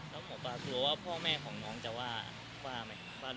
แล้วหมอปลากลัวว่าพ่อแม่ของน้องจะว่าไหม